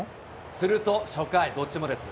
すると初回、どっちもです。